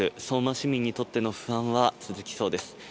相馬市民にとっての不安は続きそうです。